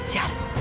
kejar orang itu